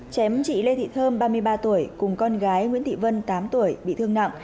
chém chị lê thị thơm ba mươi ba tuổi cùng con gái nguyễn thị vân tám tuổi bị thương nặng